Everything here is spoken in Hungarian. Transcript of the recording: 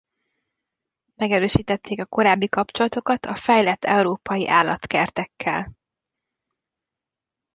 Megerősítették a korábbi kapcsolatokat a fejlett európai állatkertekkel.